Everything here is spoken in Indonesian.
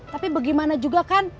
tapi bagaimana juga kan